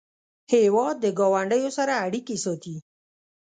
هېواد د ګاونډیو سره اړیکې ساتي.